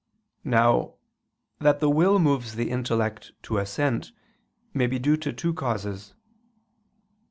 Now, that the will moves the intellect to assent, may be due to two causes.